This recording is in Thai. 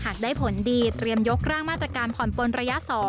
ได้ผลดีเตรียมยกร่างมาตรการผ่อนปนระยะ๒